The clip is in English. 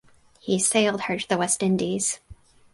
He sailed her to the West Indies.